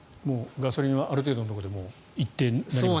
ガソリンはある程度のところで一定になりますか？